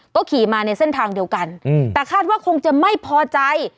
ก็ขี่มาในเส้นทางเดียวกันแต่คาดว่าคงจะไม่พอใจ